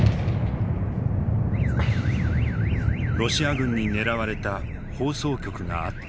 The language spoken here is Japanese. ロシア軍に狙われた放送局があった。